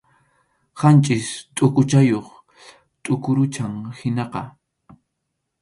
Qanchis tʼuquchayuq tuqurucham qinaqa.